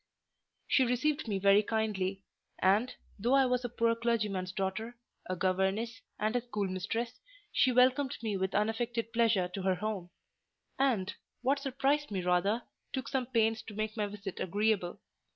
She received me very kindly; and, though I was a poor clergyman's daughter, a governess, and a schoolmistress, she welcomed me with unaffected pleasure to her home; and—what surprised me rather—took some pains to make my visit agreeable.